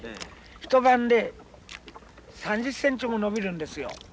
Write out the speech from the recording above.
一晩で３０センチも伸びるんですよ。